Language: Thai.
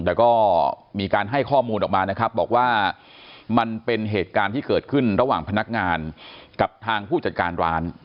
แต่ก็มีการให้ข้อมูลออกมานะครับบอกว่ามันเป็นเหตุการณ์ที่เกิดขึ้นระหว่างพนักงานกับทางผู้จัดการร้าน